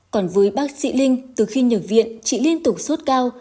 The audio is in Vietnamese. còn với bác sĩ linh từ khi nhập viện chị liên tục sốt cao